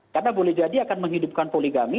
karena boleh jadi akan menghidupkan poligami